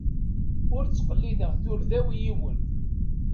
Ur ttqellideɣ turda-w i yiwen.